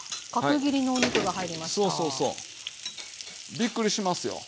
びっくりしますよ。